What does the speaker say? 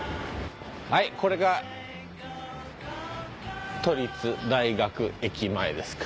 はいこれが都立大学駅前ですか。